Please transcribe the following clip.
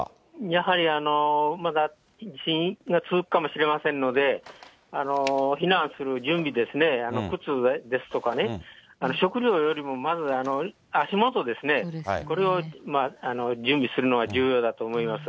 やはりまだ地震が続くかもしれませんので、避難する準備ですね、靴ですとかね、食料よりもまず足元ですね、これを準備するのが重要だと思います。